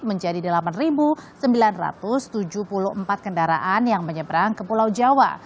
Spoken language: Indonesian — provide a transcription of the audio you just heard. menjadi delapan sembilan ratus tujuh puluh empat kendaraan yang menyeberang ke pulau jawa